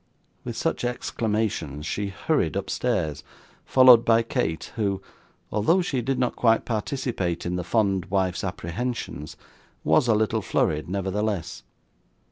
With such exclamations, she hurried upstairs, followed by Kate who, although she did not quite participate in the fond wife's apprehensions, was a little flurried, nevertheless.